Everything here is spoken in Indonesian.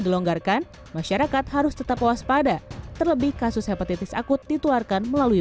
dilonggarkan masyarakat harus tetap waspada terlebih kasus hepatitis akut ditularkan melalui